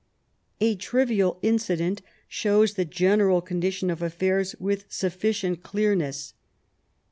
A trivial incident shows the general condition of affairs with sufficient clearness.